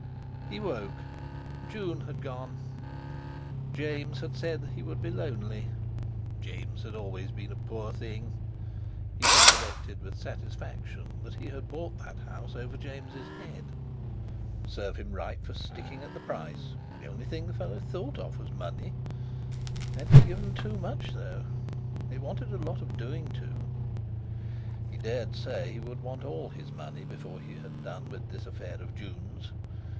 He woke. June had gone! James had said he would be lonely. James had always been a poor thing. He recollected with satisfaction that he had bought that house over James's head. Serve him right for sticking at the price; the only thing the fellow thought of was money. Had he given too much, though? It wanted a lot of doing to—He dared say he would want all his money before he had done with this affair of Jun's.